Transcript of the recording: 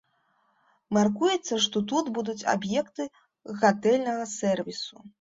Мяркуецца, што тут будуць аб'екты гатэльнага сэрвісу.